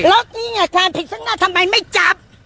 แล้วนี่ไงทางผิดข้างหน้าทำไมไม่จับ